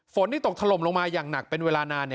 ที่ตกถล่มลงมาอย่างหนักเป็นเวลานาน